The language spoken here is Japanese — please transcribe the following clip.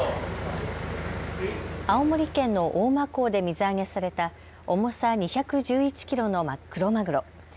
青森県の大間港で水揚げされた重さ２１１キロのクロマグロ。